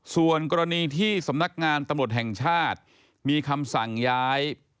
ส่วนกรณีที่สำนักงานตำรวจแห่งชาติมีคำสั่งย้าย